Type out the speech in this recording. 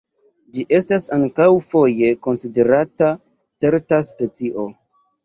Ĝi estas ankaŭ foje konsiderata certa specio.